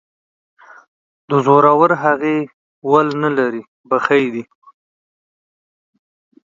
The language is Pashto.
د زورورهغې ول نه لري ،بخۍ دى.